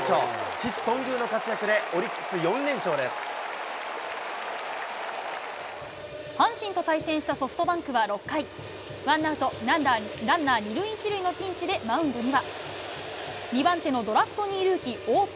父、頓宮の活躍で、オリックス、阪神と対戦したソフトバンクは６回、ワンアウトランナー２塁１塁のピンチでマウンドには２番手のドラフト２位ルーキー、大津。